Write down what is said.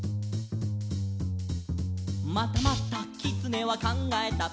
「またまたきつねはかんがえた」